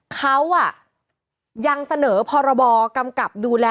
เขายังเสนอพรบกำกับดูแล